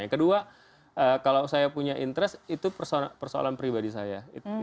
yang kedua kalau saya punya interest itu persoalan pribadi saya